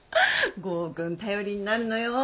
剛くん頼りになるのよ。